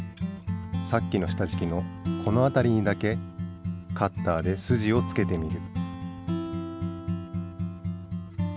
さっきの下じきのこの辺りにだけカッターでスジをつけてみる。